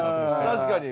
確かに。